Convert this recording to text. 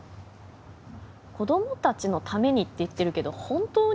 「『子どもたちのために』って言ってるけど本当に？」